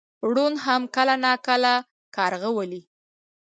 ړوند هم کله ناکله کارغه ولي .